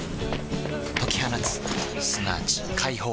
解き放つすなわち解放